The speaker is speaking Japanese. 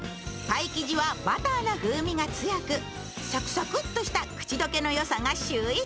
パイ生地はバターの風味が強くサクサクッとした口溶けのよさが秀逸。